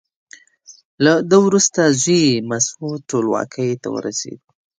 له ده وروسته زوی یې مسعود ټولواکۍ ته ورسېد.